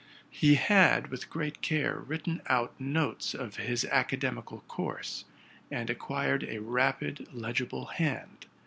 He had, with great care, writ ten out notes of his academical course, and acquired a rapid, legible hand.